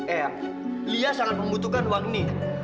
eyang lia sangat membutuhkan uang ini